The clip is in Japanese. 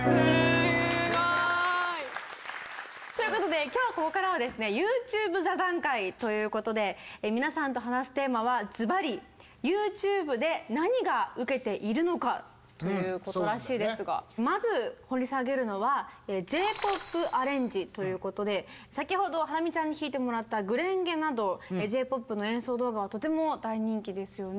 すごい！ということで今日ここからはですねＹｏｕＴｕｂｅ座談会ということで皆さんと話すテーマはズバリＹｏｕＴｕｂｅで何が受けているのかということらしいですがまず掘り下げるのは先ほどハラミちゃんに弾いてもらった「紅蓮華」などＪ−ＰＯＰの演奏動画はとても大人気ですよね